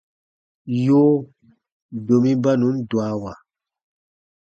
Yoo, domi ba nùn dwawa.